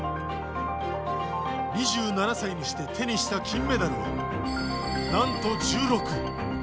２７歳にして手にした金メダルはなんと１６。